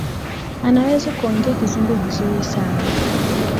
Anaweza kuongea kizungu vizuri sana